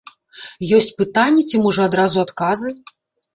Ёсць пытанні ці, можа, адразу адказы?